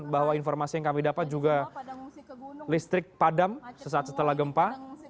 bahwa informasi yang kami dapat juga listrik padam sesaat setelah gempa